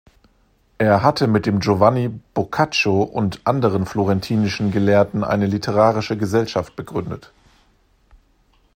Er hatte mit dem Giovanni Boccaccio und anderen florentinischen Gelehrten eine literarische Gesellschaft gegründet.